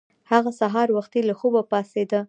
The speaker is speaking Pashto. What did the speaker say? هغه سهار وختي له خوبه پاڅیده.